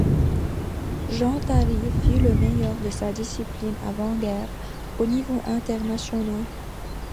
Jean Taris fut le meilleur de sa discipline avant-guerre au niveau international.